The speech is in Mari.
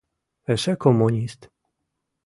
Эше коммунист.